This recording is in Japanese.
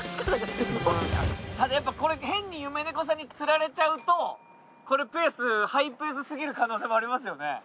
ただやっぱこれ変に夢猫さんにつられちゃうとこれペースハイペースすぎる可能性もありますよね。